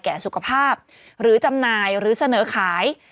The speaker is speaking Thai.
สุขภาพหรือจำหน่ายหรือเสนอขาย